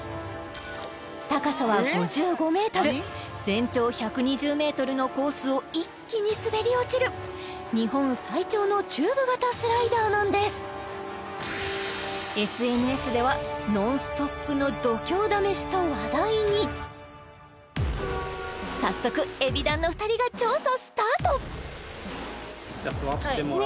高さは５５ｍ全長１２０ｍのコースを一気に滑り落ちる日本最長のチューブ型スライダーなんですＳＮＳではと話題に早速ＥＢｉＤＡＮの２人が怖っ！